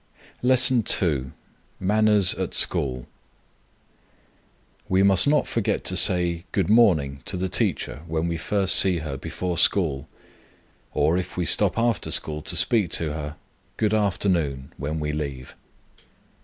_ LESSON II. MANNERS AT SCHOOL. WE must not forget to say "Good morning" to the teacher when we first see her before school; or, if we stop after school to speak to her, "Good afternoon" when we leave.